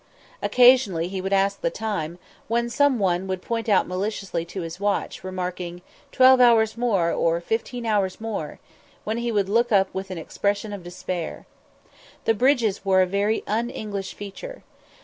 Occasionally he would ask the time, when some one would point maliciously to his watch, remarking, "Twelve hours more," or "Fifteen hours more," when he would look up with an expression of despair. The bridges wore a very un English feature.